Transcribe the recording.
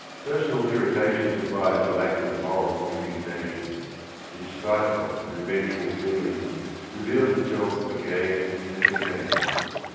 Personal irritation supplies the lack of moral indignation. His spiteful and revengeful feel ing reveals itself again and again.